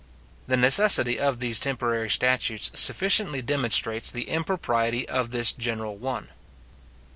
The necessity of these temporary statutes sufficiently demonstrates the impropriety of this general one.